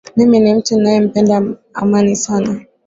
Mimi ni mtu ninayempenda amani sana